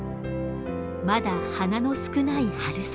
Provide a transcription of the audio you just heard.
まだ花の少ない春先。